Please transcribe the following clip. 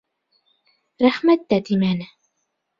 «Рәхмәт»тә тимәне.